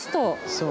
そう。